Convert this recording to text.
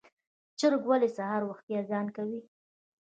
چرګ ولې سهار وختي اذان کوي؟